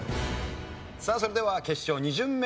さあそれでは決勝２巡目。